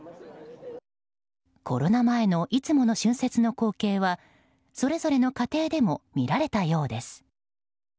コロナ前のいつもの春節の光景はそれぞれの家庭でも見られたようです。